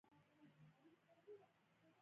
د استاد بینوا ليکني د علم او ادب خزانه ده.